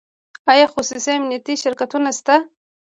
آیا خصوصي امنیتي شرکتونه شته؟